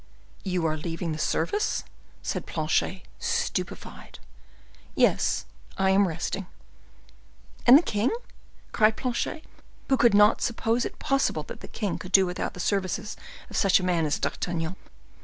"You are leaving the service?" said Planchet, stupefied. "Yes, I am resting." "And the king?" cried Planchet, who could not suppose it possible that the king could do without the services of such a man as D'Artagnan.